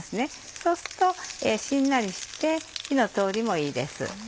そうするとしんなりして火の通りもいいです。